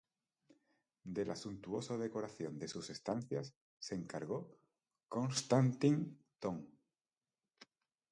De la suntuosa decoración de sus estancias se encargó Konstantín Ton.